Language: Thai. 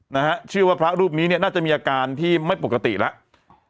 นะฮะเชื่อว่าพระรูปนี้เนี่ยน่าจะมีอาการที่ไม่ปกติแล้ว